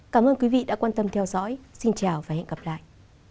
cảm ơn quý vị đã quan tâm theo dõi xin chào và hẹn gặp lại